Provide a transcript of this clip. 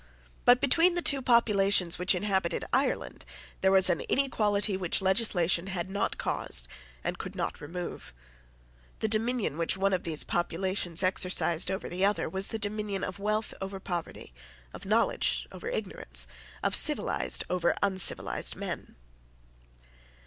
But between the two populations which inhabited Ireland there was an inequality which legislation had not caused and could not remove. The dominion which one of those populations exercised over the other was the dominion of wealth over poverty, of knowledge over ignorance, of civilised over uncivilised man.